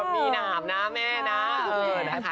มีหนามนะแม่นะ